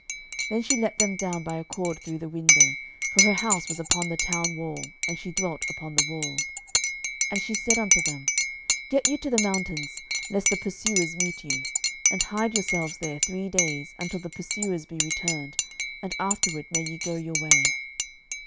06:002:015 Then she let them down by a cord through the window: for her house was upon the town wall, and she dwelt upon the wall. 06:002:016 And she said unto them, Get you to the mountain, lest the pursuers meet you; and hide yourselves there three days, until the pursuers be returned: and afterward may ye go your way.